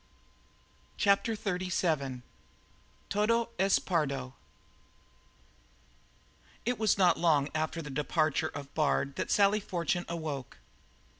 CHAPTER XXXVII "TODO ES PERDO" It was not long after the departure of Bard that Sally Fortune awoke.